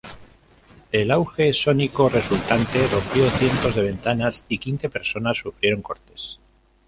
El auge sónico resultante rompió cientos de ventanas y quince personas sufrieron cortes.